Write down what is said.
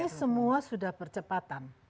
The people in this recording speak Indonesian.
ini semua sudah percepatan